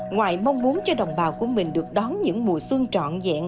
ngoài mong muốn cho đồng bào của mình được đón những mùa xuân trọn vẹn